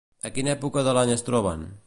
A quina època de l'any es troben?